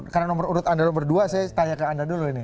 karena nomor urut anda nomor dua saya tanya ke anda dulu ini